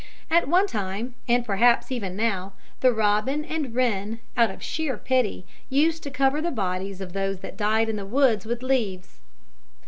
At one time and, perhaps, even now the robin and wren, out of sheer pity, used to cover the bodies of those that died in the woods with leaves.